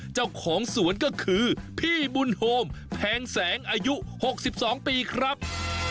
เจ้าของสวนก็คือพี่บุญโฮมแพงแสงอายุ๖๒ปีครับ